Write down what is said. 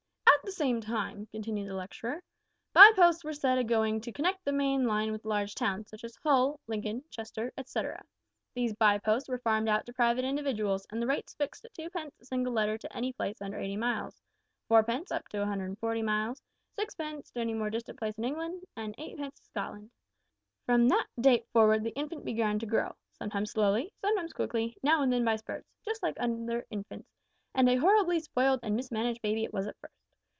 "At the same time," continued the lecturer, "bye posts were set a going to connect the main line with large towns, such as Hull, Lincoln, Chester, etcetera. These bye posts were farmed out to private individuals, and the rates fixed at 2 pence a single letter to any place under 80 miles; 4 pence up to 140 miles; 6 pence to any more distant place in England; and 8 pence to Scotland. "From that date forward the infant began to grow sometimes slowly, sometimes quickly, now and then by spurts just like other infants, and a horribly spoiled and mismanaged baby it was at first.